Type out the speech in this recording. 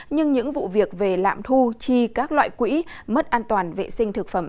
nhưng những vụ việc về lạm thu chi các loại quỹ mất an toàn vệ sinh thực phẩm